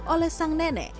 oleh sang nenek